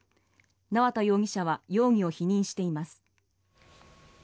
縄田容疑者は容疑を否認しています。